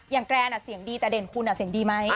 แกรนเสียงดีแต่เด่นคุณเสียงดีไหม